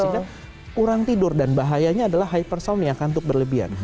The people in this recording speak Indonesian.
sehingga kurang tidur dan bahayanya adalah hypersomnia kantuk berlebihan